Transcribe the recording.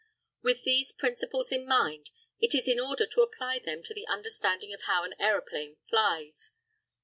With these principles in mind, it is in order to apply them to the understanding of how an aeroplane flies.